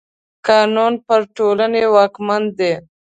قانون پر ټولني واکمن دی.